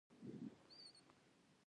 سپارښتنه ولې د قانون خلاف ده؟